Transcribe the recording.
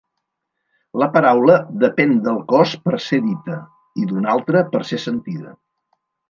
La paraula depèn del cos per ser dita i d'un altre per ser sentida.